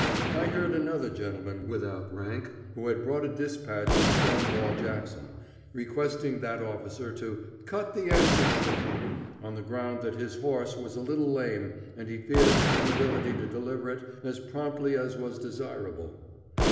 I heard another gentleman without rank, who had brought a dispatch to Stonewall Jackson, request that officer to "cut the answer short," on the ground that his horse was a little lame and he feared his inability to deliver it as promptly as was desirable.